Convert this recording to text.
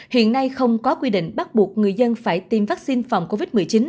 hiện nay không có quy định bắt buộc người dân phải tiêm vaccine phòng covid một mươi chín